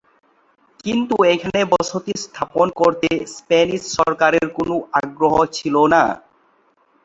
কিন্তু এখানে বসতি স্থাপন করতে স্প্যানিশ সরকারের কোন আগ্রহ ছিলো না।